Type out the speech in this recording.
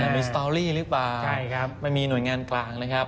มีสตอรี่หรือเปล่าใช่ครับไม่มีหน่วยงานกลางนะครับ